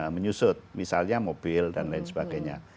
menyusut misalnya mobil dan lain sebagainya